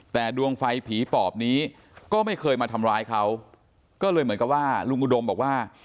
แต่ดวงไฟผีปอบนี้ก็ไม่เคยมาทำร้ายเขาก็เลยเหมือนกับว่าลุงอุดมบอกว่า